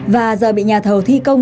và giờ bị nhà thầu thi công